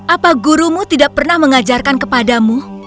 apa gurumu tidak pernah mengajarkan kepadamu